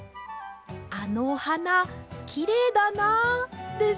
あのおはなきれいだなあです。